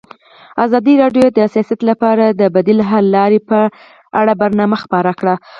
ازادي راډیو د سیاست لپاره د بدیل حل لارې په اړه برنامه خپاره کړې.